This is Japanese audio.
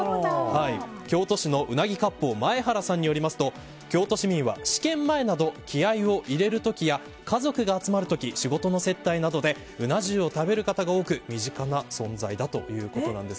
京都市の鰻割烹まえはらさんによると京都市民は試験前など気合を入れるときや家族が集まるとき仕事の接待などでうな重を食べる方が多く身近な存在だということです。